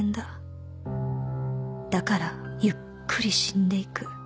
「だからゆっくり死んでいく」